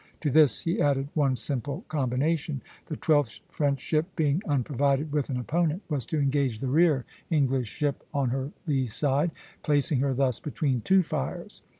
To this he added one simple combination; the twelfth French ship, being unprovided with an opponent, was to engage the rear English ship on her lee side, placing her thus between two fires.